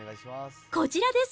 こちらです。